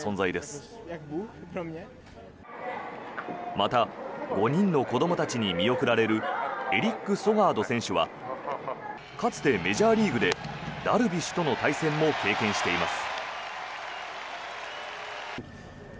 また５人の子どもたちに見送られるエリック・ソガード選手はかつてメジャーリーグでダルビッシュとの対戦も経験しています。